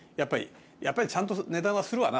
やっぱりちゃんと値段はするわな